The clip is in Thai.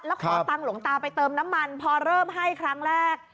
แล้วขอตังค์หลวงตาไปเติมน้ำมันพอเริ่มให้ครั้งแรก